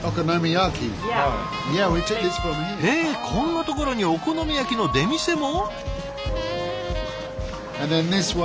へえこんなところにお好み焼きの出店も？